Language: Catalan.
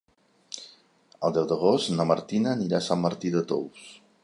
El deu d'agost na Martina anirà a Sant Martí de Tous.